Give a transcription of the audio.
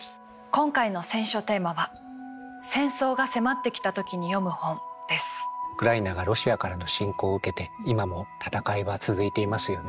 今回の選書テーマはウクライナがロシアからの侵攻を受けて今も戦いは続いていますよね。